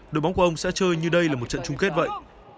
đội bóng của ông sẽ chơi như đây là một trận chung kết vậy